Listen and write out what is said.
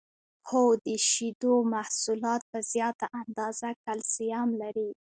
هو د شیدو محصولات په زیاته اندازه کلسیم لري